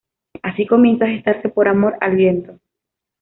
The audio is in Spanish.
Así comienza a gestarse Por amor al viento.